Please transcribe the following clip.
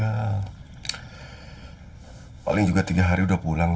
ya paling juga tiga hari udah pulang